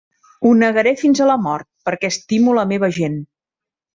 Ho negaré fins a la mort, perquè estimo la meva gent.